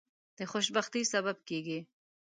د خوشبختی سبب کیږي.